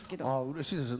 うれしいです。